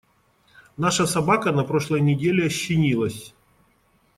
Наша собака на прошлой неделе ощенилась.